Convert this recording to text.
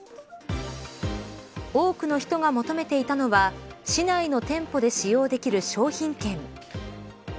多くの人が求めていたのは市内の店舗で使用できる商品券。